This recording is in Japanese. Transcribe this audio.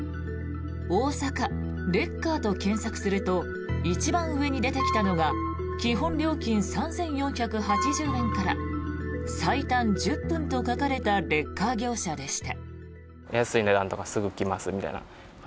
「大阪レッカー」と検索すると一番上に出てきたのが基本料金３４８０円から最短１０分と書かれたレッカー業者でした。